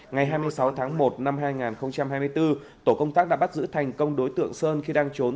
ngày hai mươi sáu tháng một năm hai nghìn hai mươi bốn tổ công tác đã bắt giữ thành công đối tượng sơn khi đang trốn